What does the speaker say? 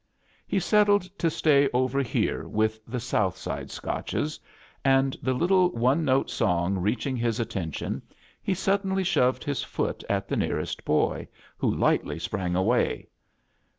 He settled to stay over here "t^h the soothside Scotches, and, the little, one note soi^ reaching his at tention, he suddenly shoved his foot at the nearest boy, who lightly sprang away.